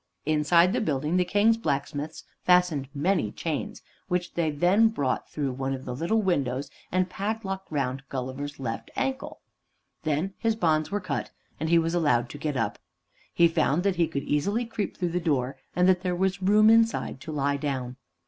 Inside the building the King's blacksmiths fastened many chains, which they then brought through one of these little windows and padlocked round Gulliver's left ankle. Then his bonds were cut, and he was allowed to get up. He found that he could easily creep through the door, and that there was room inside to lie down.